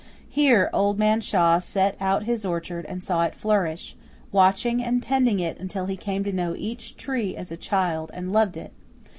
Here Old Man Shaw set out his orchard and saw it flourish, watching and tending it until he came to know each tree as a child and loved it.